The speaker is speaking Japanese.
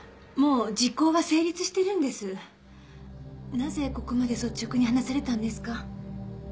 なぜここまで率直に話されたんですか？